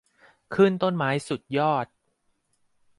ขึ้นต้นไม้สุดยอด